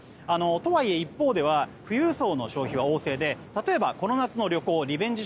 とはいえ一方では富裕層の消費は旺盛で例えばこの夏の旅行リベンジ